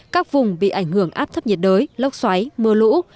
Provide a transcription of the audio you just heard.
các vùng bị ảnh hưởng áp thấp nhiệt đới lốc xoáy mưa lũ